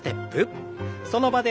その場で。